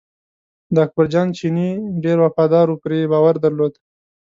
د اکبر جان چینی ډېر وفاداره و پرې یې باور درلود.